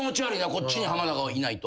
こっちに浜田がいないと。